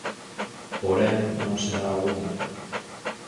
Porén non será o único.